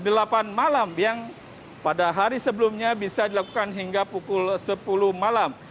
pukul delapan malam yang pada hari sebelumnya bisa dilakukan hingga pukul sepuluh malam